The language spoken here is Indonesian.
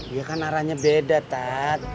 ya kan arahnya beda tat